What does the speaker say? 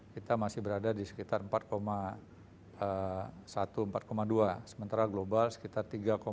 kita masih berada di sekitar empat satu empat dua sementara global sekitar tiga empat